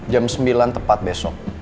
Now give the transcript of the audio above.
jam sembilan tepat besok